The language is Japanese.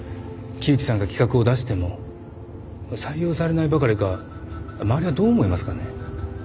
木内さんが企画を出しても採用されないばかりか周りはどう思いますかね？